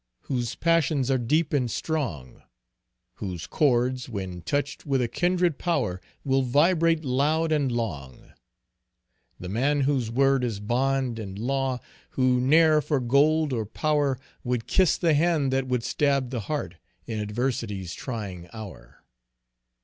Whose passions are deep and strong; Whose cords, when touched with a kindred power, Will vibrate loud and long: "The man whose word is bond and law Who ne'er for gold or power, Would kiss the hand that would stab the heart In adversity's trying hour."